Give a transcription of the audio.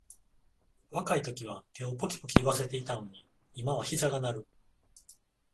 若いときは手をポキポキいわせていたのに、今はひざが鳴る